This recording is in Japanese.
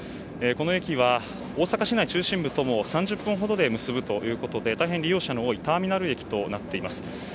この駅は、大阪市内中心部とも３０分ほどで結ぶということで大変利用者の多いターミナル駅となっています。